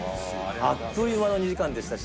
あっという間の２時間でしたし。